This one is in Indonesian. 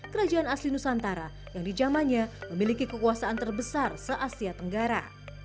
kerajaan asli nusantara yang di zamannya memiliki kekuasaan terbesar se asia tenggara